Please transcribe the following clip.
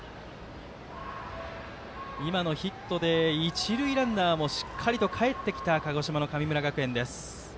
今のヒットで、一塁ランナーもしっかりと、かえってきた鹿児島の神村学園です。